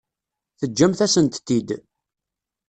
Teǧǧamt-asent-t-id.